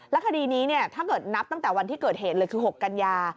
คดีนี้ถ้าเกิดนับตั้งแต่วันที่เกิดเหตุเลยคือ๖กันยา